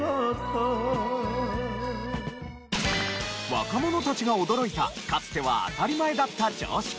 若者たちが驚いたかつては当たり前だった常識。